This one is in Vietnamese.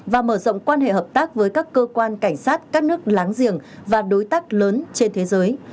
và mở rộng quan hệ hợp tác với các cơ quan cảnh sát các nước láng giềng và đối tác lớn trên thế giới